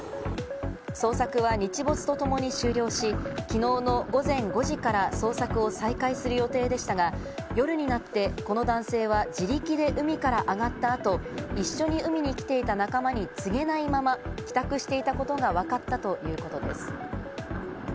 捜索は日没とともに終了し、きのうの午前５時から捜索を再開する予定でしたが、夜になって、この男性は自力で海から上がった後、一緒に海に来ていた仲間に告げないまま帰宅していたことがわかったということです。